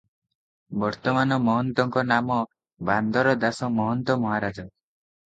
ବର୍ତ୍ତମାନ ମହନ୍ତଙ୍କ ନାମ ବାନ୍ଦର ଦାସ ମହନ୍ତ ମହାରାଜ ।